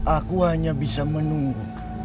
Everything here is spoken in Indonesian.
aku hanya bisa menunggu